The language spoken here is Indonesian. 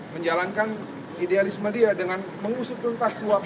menjalankan idealisme dia dengan mengusup lintas luap itu